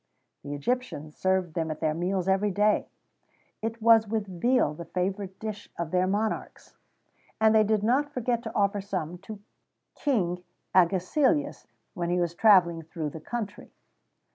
The Egyptians served them at their meals every day; it was, with veal, the favourite dish of their monarchs,[XVII 54] and they did not forget to offer some to King Agesilaus, when he was travelling through the country.